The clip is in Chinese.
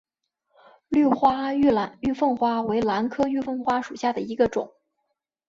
绿花玉凤花为兰科玉凤花属下的一个种。